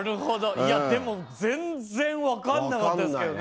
いやでも全然わかんなかったですけどね。